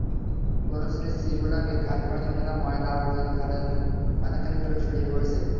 বনশ্রীর সি-ব্লকে খাল পাড়ে ফেলা ময়লা-আবর্জনা খালের অনেকখানি জুড়ে ছড়িয়ে পড়েছে।